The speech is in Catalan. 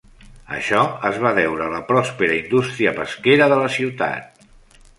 Això es va deure a la pròspera indústria pesquera de la ciutat.